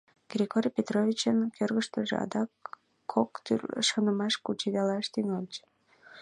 Григорий Петровичын кӧргыштыжӧ адак кок тӱрлӧ шонымаш кучедалаш тӱҥальыч.